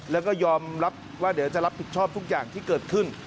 แล้วก็ยอมรับว่าเดี๋ยวจะรับผิดชอบทุกอย่างที่เกิดขึ้น